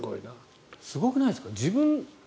すごくないですか。